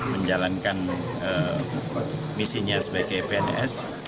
menjalankan misinya sebagai pns